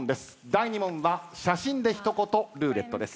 第２問は写真で一言ルーレットです。